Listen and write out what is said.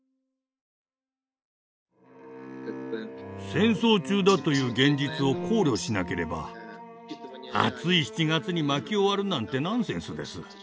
戦争中だという現実を考慮しなければ暑い７月に薪を割るなんてナンセンスです。